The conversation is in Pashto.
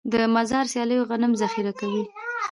د مزار سیلو غنم ذخیره کوي.